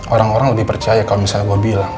orang orang lebih percaya kalau misalnya gue bilang